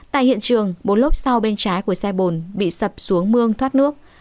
tại hiện trường bốn lớp sau bên trái của xe bồn bị sập xuống mương thoát nước